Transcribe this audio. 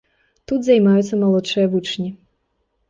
Тут займаюцца малодшыя вучні.